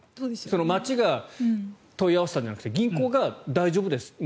町が問い合わせたわけじゃなくて銀行が大丈夫ですって。